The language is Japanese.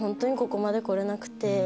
ここまで来れなくて。